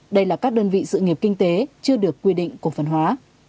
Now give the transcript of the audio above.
đây là các đơn vị sự nghiệp kinh tế chưa được quy định cổ phần hóa